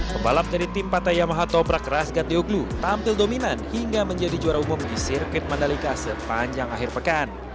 pembalap dari tim pata yamaha toprak rasgat theoglu tampil dominan hingga menjadi juara umum di sirkuit mandalika sepanjang akhir pekan